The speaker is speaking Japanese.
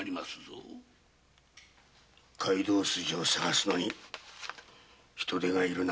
街道筋を捜すのに人手が要るな。